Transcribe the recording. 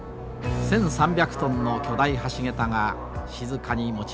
１，３００トンの巨大橋桁が静かに持ち上がりました。